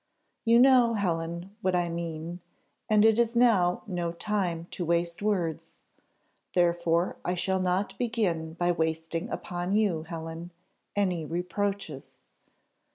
You know, Helen, what I mean, and it is now no time to waste words, therefore I shall not begin by wasting upon you, Helen, any reproaches.